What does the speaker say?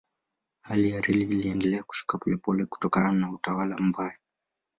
Hali ya reli iliendelea kushuka polepole kutokana na utawala mbaya.